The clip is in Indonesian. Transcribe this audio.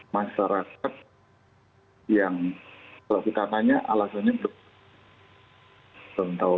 masyarakat yang kalau kita tanya alasannya belum tahu